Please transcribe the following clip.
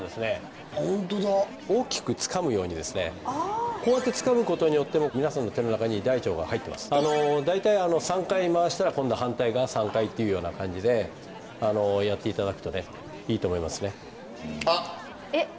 ホントだ大きくつかむようにですねこうやってつかむことによっても皆さんの手の中に大腸が入ってます大体３回回したら今度は反対側３回っていうような感じでやっていただくとねいいと思いますねあっえっ？